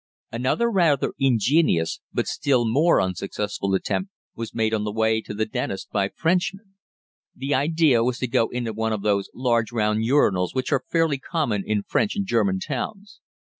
Another rather ingenious but still more unsuccessful attempt was made on the way to the dentist by Frenchmen. The idea was to go into one of those large round urinals which are fairly common in French and German towns.